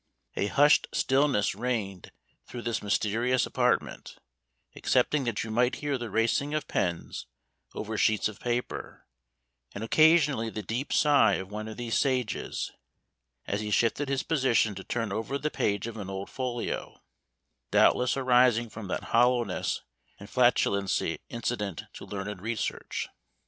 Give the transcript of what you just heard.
A hushed stillness reigned through this mysterious apartment, excepting that you might hear the racing of pens over sheets of paper, and occasionally the deep sigh of one of these sages, as he shifted his position to turn over the page of an old folio; doubtless arising from that hollowness and flatulency incident to learned research.